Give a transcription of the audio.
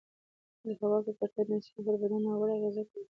د هـوا ککـړتيـا د انسـانـانو پـر بـدن نـاوړه اغـېزه کـوي